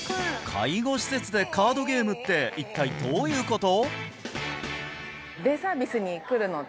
介護施設でカードゲームって一体どういうこと？